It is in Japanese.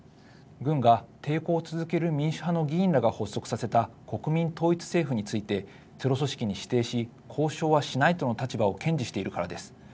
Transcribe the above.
軍が抵抗を続ける民主派の議員らが発足させた国民統一政府についてテロ組織に指定し交渉はしないとの立場を堅持しているからです。